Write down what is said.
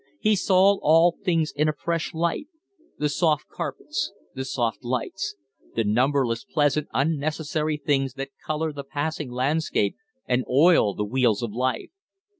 He saw all things in a fresh light the soft carpets, the soft lights, the numberless pleasant, unnecessary things that color the passing landscape and oil the wheels of life.